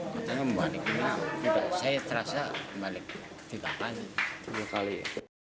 kecelakaan minibus tersebut terjadi ketika minibus terbalik